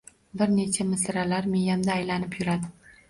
Bir necha misralar miyamda aylanib yuradi.